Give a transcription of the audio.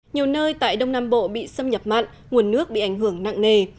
nhiều nơi tại đông nam bộ bị xâm nhập mặn nguồn nước bị ảnh hưởng nặng nề